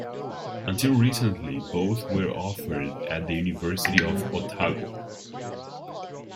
Until recently both were offered at the University of Otago.